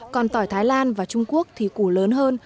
còn tỏi thái lan và trung quốc thì củ lớn hơn